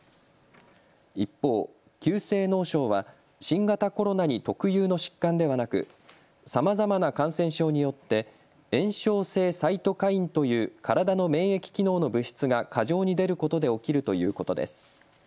一方、急性脳症は新型コロナに特有の疾患ではなく、さまざまな感染症によって炎症性サイトカインという体の免疫機能の物質が過剰に出ることで起きるということです。